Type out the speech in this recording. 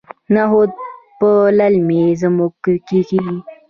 نخود په للمي ځمکو کې کیږي.